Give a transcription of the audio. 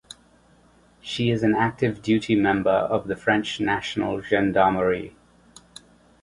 She is an active duty member of the French National Gendarmerie.